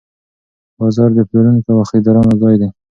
بازار د پلورونکو او خریدارانو ځای دی.